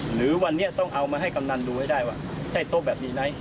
หรือวันนี้ต้องเอามาให้กำนันดูให้ได้ว่าใช่โต๊ะแบบนี้ไหม